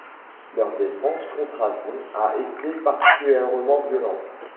Leur défense contre-avions a été particulièrement violente.